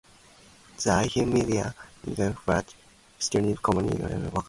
The iHeartMedia, Incorporated station's community of license is Fountain, Colorado, United States.